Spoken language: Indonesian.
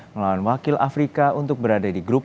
melawan wakil afrika untuk berada di grup